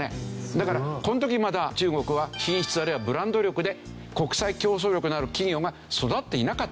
だからこの時まだ中国は品質あるいはブランド力で国際競争力のある企業が育っていなかったからですよ。